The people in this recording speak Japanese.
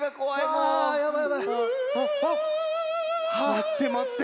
まってまって。